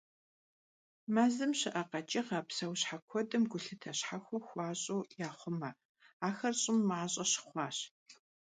Мэзым щыӀэ къэкӀыгъэ, псэущхьэ куэдым гулъытэ щхьэхуэ хуащӀу яхъумэ: ахэр щӀым мащӀэ щыхъуащ.